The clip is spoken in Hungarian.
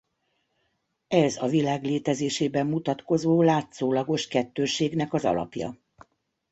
Ez a Világ létezésében mutatkozó látszólagos kettősségnek az alapja.